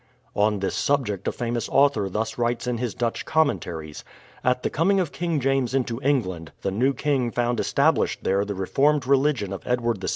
On this subject a famous author thus writes in his Dutch commentaries: "At the coming of King James into Eng land, the new King found established there the reformed religion of Edward VI.